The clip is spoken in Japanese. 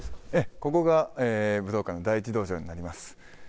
ここが武道館第一道場になります。